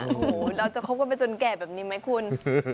โอ้โหเราจะคบกันไปจนแก่แบบนี้ไหมคุณ